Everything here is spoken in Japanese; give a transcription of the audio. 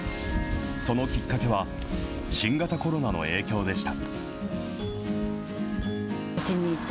そのきっかけは、新型コロナの影響でした。